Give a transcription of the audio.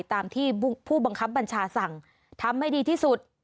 ตามที่ผู้บังคับบัญชาสั่งทำให้ดีที่สุด